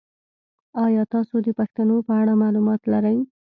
ایا تاسو د پښتنو په اړه معلومات لرئ؟